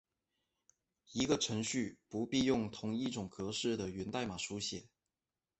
一个程序不必用同一种格式的源代码书写。